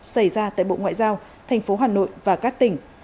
xảy ra tại bộ ngoại giao thành phố hà nội và các tỉnh